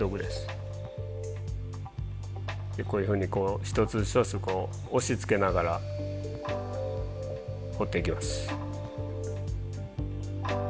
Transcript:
こういうふうにこう一つ一つこう押しつけながら彫っていきます。